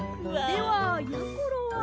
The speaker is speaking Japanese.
ではやころは。